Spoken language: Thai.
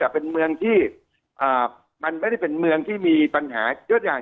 แต่ว่าอุดยนต์นี้ไม่ได้เป็นเมืองที่มีปัญหาเยอะดัง